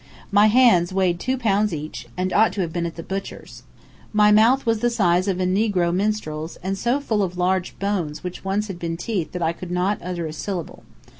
My hands weighed two pounds each, and ought to have been at the butcher's. My mouth was the size of a negro minstrel's, and so full of large bones which once had been teeth that I could not utter a syllable.